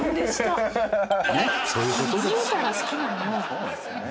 そうですね。